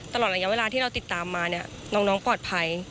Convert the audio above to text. ตลอดระยะเวลาที่เราติดตามมาเนี่ยน้องปลอดภัย